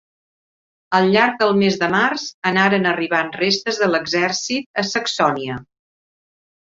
Al llarg del mes de març anaren arribant restes de l'exèrcit a Saxònia.